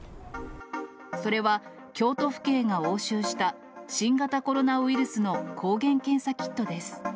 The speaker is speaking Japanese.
それは京都府警が押収した新型コロナウイルスの抗原検査キットです。